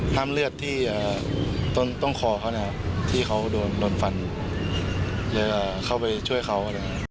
ห้ามเลือดที่ต้นคอเขาที่เขาโดนฟันเข้าไปช่วยเขา